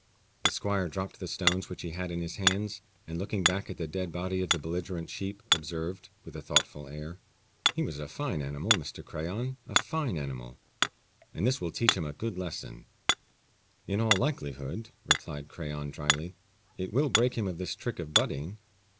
The squire dropped the stones which he had in his hands, and looking back at the dead body of the belligerent sheep, observed, with a thoughtful air, "He was a fine animal, Mr. Crayon a fine animal, and this will teach him a good lesson." "In all likelihood," replied Crayon, dryly, "it will break him of this trick of butting."